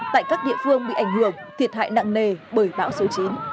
tại các địa phương bị ảnh hưởng thiệt hại nặng nề bởi bão số chín